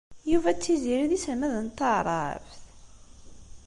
Yuba d Tiziri d iselmaden n taɛṛabt?